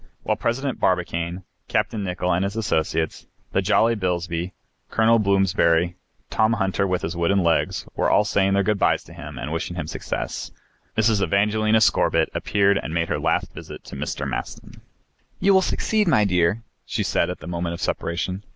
While President Barbicane, Capt. Nicholl and his associates, the jolly Bilsby, Col. Bloomsberry, Tom Hunter, with the wooden legs, were all saying their good bys to him and wishing him success, Mrs. Evangelina Scorbitt appeared and made her last visit to Mr. Maston. "You will succeed, my dear," said she at the moment of separation.